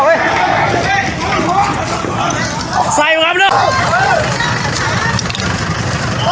รถมันต่อไปเสียเนอะ